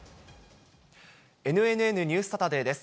ＮＮＮニュースサタデーです。